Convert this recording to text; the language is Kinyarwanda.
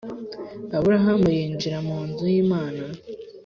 aburahamu yinjira munzu yimana